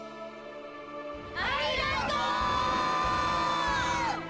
ありがとう！